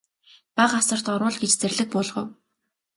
Бага асарт оруул гэж зарлиг буулгав.